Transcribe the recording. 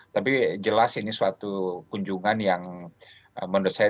tapi jelas ini suatu kunjungan yang menurut saya